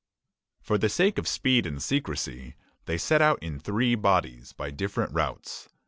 For the sake of speed and secrecy, they set out in three bodies, by different routes.